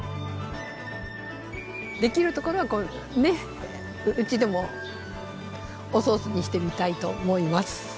できるところはねっうちでもおソースにしてみたいと思います。